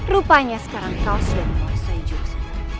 rupanya sekarang kau sudah memuasai jurus